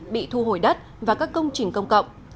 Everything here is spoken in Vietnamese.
bị thu hồi đất và các công trình công cộng